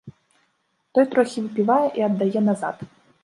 Той трохі выпівае і аддае назад.